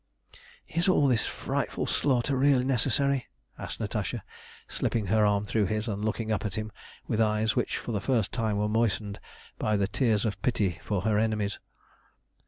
"Is all this frightful slaughter really necessary?" asked Natasha, slipping her arm through his, and looking up at him with eyes which for the first time were moistened by the tears of pity for her enemies.